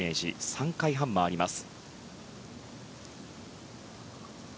３回半回ります。